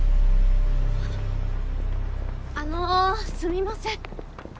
あのすみません。